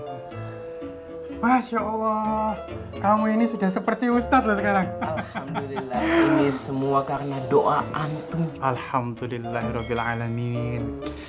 kamu ini sudah seperti ustadz sekarang semua karena doa antum alhamdulillah robbil alamin